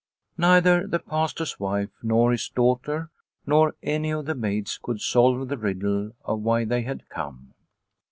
Neither the Pastor's wife nor his daughter nor any of the maids could solve the riddle of why they had come.